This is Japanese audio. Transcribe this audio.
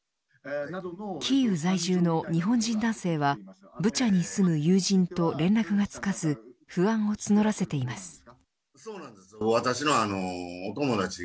キーウ在住の日本人男性はブチャに住む友人と連絡がつかず不安を募らせています。